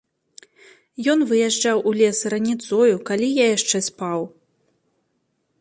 Ён выязджаў у лес раніцою, калі я яшчэ спаў.